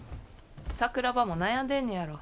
桜庭も悩んでんねやろ。